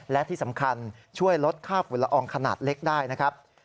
และที่สำคัญช่วยลดค่าฝุ่นละอองขนาดเล็กได้นะครับ